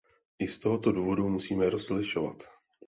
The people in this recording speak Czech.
I z tohoto důvodu musíme rozlišovat.